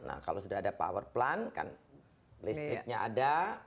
nah kalau sudah ada power plant kan listriknya ada